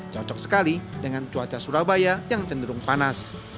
cocok sekali dengan cuaca surabaya yang cenderung panas